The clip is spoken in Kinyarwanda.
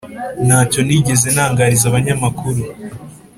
ntacyo nigeze ntangariza abanyamakuru,